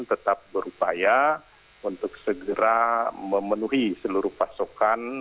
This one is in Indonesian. tetap berupaya untuk segera memenuhi seluruh pasokan